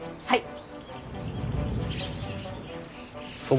はい！